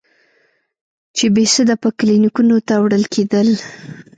چې بېسده به کلينيکو ته وړل کېدل.